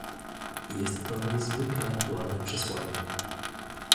Jest to niezwykle aktualne przesłanie